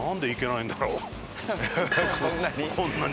こんなに。